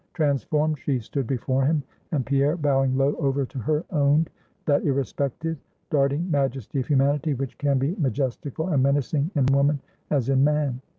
Transformed she stood before him; and Pierre, bowing low over to her, owned that irrespective, darting majesty of humanity, which can be majestical and menacing in woman as in man.